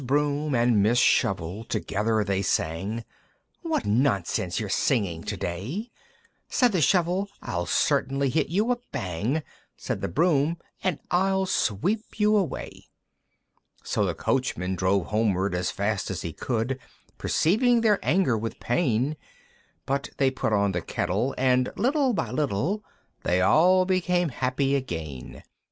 Broom and Miss Shovel together they sang, "What nonsense you're singing to day!" Said the Shovel, "I'll certainly hit you a bang!" Said the Broom, "And I'll sweep you away!" So the Coachman drove homeward as fast as he could, Perceiving their anger with pain; But they put on the kettle, and little by little They all became happy again.